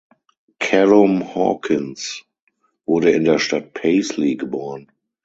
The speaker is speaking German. Callum Hawkins wurde in der Stadt Paisley geboren.